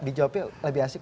dijawabnya lebih asik